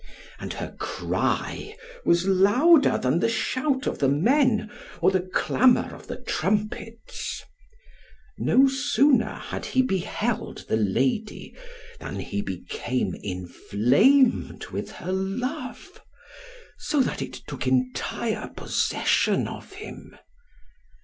And her cry was louder than the shout of the men, or the clamour of the trumpets. No sooner had he beheld the lady, than he became inflamed with her love, so that it took entire possession of him.